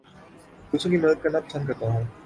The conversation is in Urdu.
دوسروں کی مدد کرنا پسند کرتا ہوں